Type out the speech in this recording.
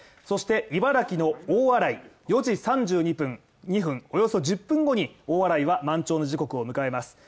そして茨城の大洗４時３２分およそ１０分後に、大洗は、満潮の時刻を迎えます。